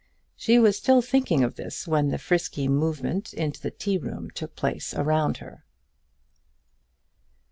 She was still thinking of this when the frisky movement into the tea room took place around her.